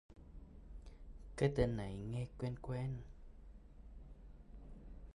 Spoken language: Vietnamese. Cái tên này nghe quen quen